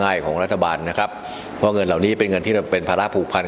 ไม่แม้ว่าเรามีเงินมันเป็นก่อน